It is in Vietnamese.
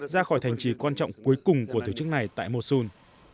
ra khỏi thành trì quan trọng cuối cùng của tổ chức này tại mosul